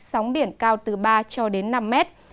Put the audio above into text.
sóng biển cao từ ba cho đến năm mét